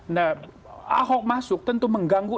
nah ahok masuk tentu mengganggu